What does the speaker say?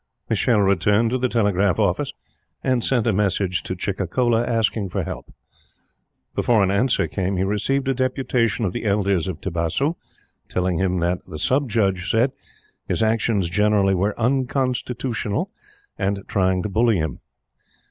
Michele returned to the Telegraph Office, and sent a message to Chicacola asking for help. Before an answer came, he received a deputation of the elders of Tibasu, telling him that the Sub Judge said his actions generally were "unconstitutional," and trying to bully him.